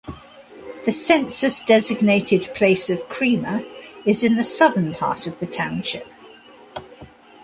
The census-designated place of Kreamer is in the southern part of the township.